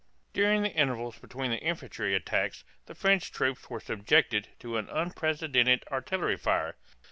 During the intervals between the infantry attacks the French troops were subjected to an unprecedented artillery fire.